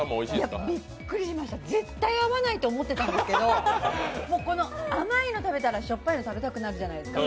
びっくりしました絶対合わないと思ってたんですけど甘いの食べたらしょっぱいの食べたくなるじゃないですか。